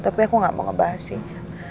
tapi aku gak mau ngebahas sih